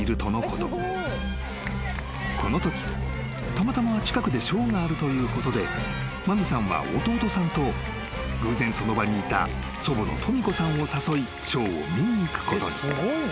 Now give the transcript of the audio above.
［このときたまたま近くでショーがあるということで麻美さんは弟さんと偶然その場にいた祖母のとみ子さんを誘いショーを見に行くことに。